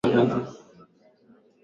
Maji huteremka bondeni, hayapandi mlima